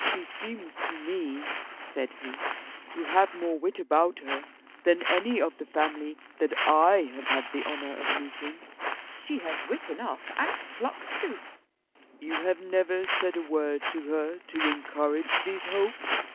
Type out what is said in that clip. "She seems to me," said he, "to have more wit about her than any of the family that I have had the honour of meeting." "She has wit enough, and pluck too." "You have never said a word to her to encourage these hopes."